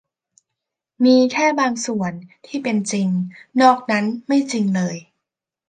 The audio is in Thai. มีแค่บางส่วนที่เป็นจริงนอกจากนั้นไม่จริงเลย